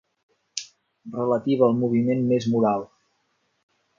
Relativa al moviment més moral.